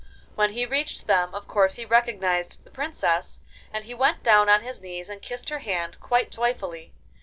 When he reached them, of course he recognised the Princess, and he went down on his knees and kissed her hand quite joyfully.